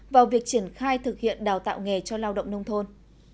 vào việc triển khai thực hiện đào tạo nghề cho lao động nông thôn